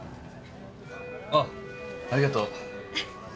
あっありがとう。フフッ。